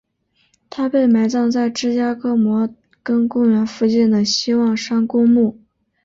他被埋葬在芝加哥摩根公园附近的希望山公墓。